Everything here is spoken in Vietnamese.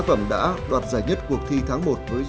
nó mang tính cũng hay rất vui